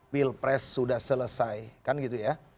pilpres sudah selesai kan gitu ya